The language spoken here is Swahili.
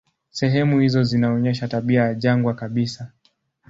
Sehemu hizo zinaonyesha tabia ya jangwa kabisa.